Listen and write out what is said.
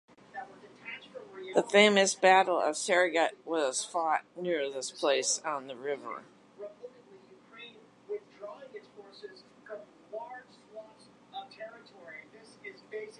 The famous Battle of Saraighat was fought near this place on the river.